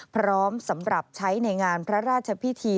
พร้อมสำหรับใช้ในงานพระราชพิธี